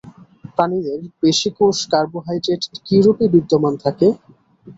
প্রাণিদের পেশিকোষে কার্বোহাইড্রেট কীরূপে বিদ্যমান থাকে?